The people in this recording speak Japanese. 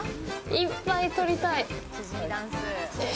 いっぱい取りたい。